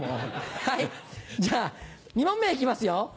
はいじゃあ２問目行きますよ。